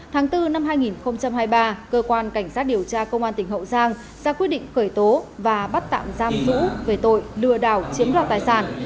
tháng bốn năm hai nghìn hai mươi ba cơ quan cảnh sát điều tra công an tỉnh hậu giang ra quyết định khởi tố và bắt tạm giam vũ về tội lừa đảo chiếm đoạt tài sản